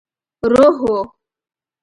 روح وو.